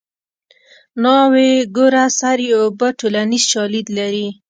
ناوې ګوره سر یې اوبه ټولنیز شالید لري